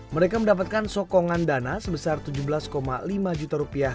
mereka mendapatkan sokongan dana sebesar tujuh belas lima juta rupiah